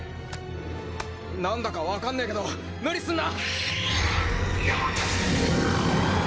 なんだかわかんねえけど無理すんな！